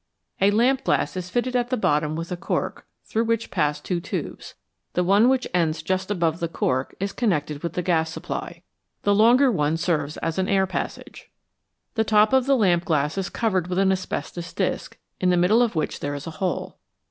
A lamp gloss is fitted at the bottom with a cork, through which pass two tubes. The one which ends just above the cork is connected with the gas supply, the longer 155 FLAME: WHAT IS IT? one serves as an air passage. The top of the lamp glass is covered with an asbestos disc, in the middle of which there is a hole.